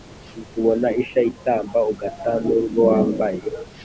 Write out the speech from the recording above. ubona isha itamba ugata nurwo wambaye